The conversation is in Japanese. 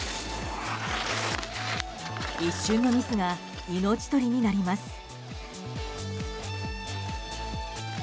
一瞬のミスが命取りになります。